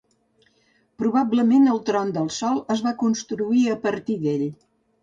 Probablement el Tron del Sol es va construir a partir d'ell.